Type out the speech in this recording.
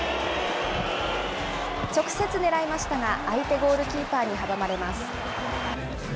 直接狙いましたが、相手ゴールキーパーに阻まれます。